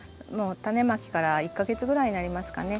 タネまきから１か月ぐらいになりますかね。